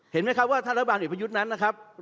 เห็นไหมครับว่าท่านรัฐบาลเอกประยุทธ์นั้นนะครับ